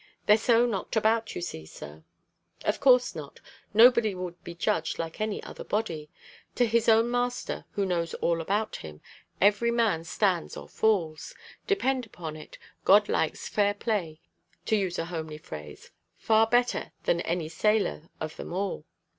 They're so knocked about, you see, sir." "Of course not. Nobody will be judged like any other body. To his own Master, who knows all about him, every man stands or falls. Depend upon it, God likes fair play, to use a homely phrase, far better than any sailor of them all.